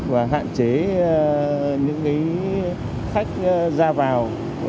và hạn chế những khách ra vào